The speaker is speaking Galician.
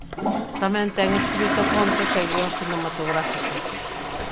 Tamén ten escrito contos e guións cinematográficos.